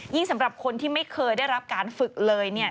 สำหรับคนที่ไม่เคยได้รับการฝึกเลยเนี่ย